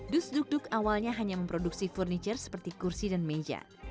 dus duk duk awalnya hanya memproduksi furniture seperti kursi dan meja